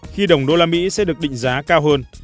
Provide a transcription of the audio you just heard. khi đồng usd sẽ được định giá cao hơn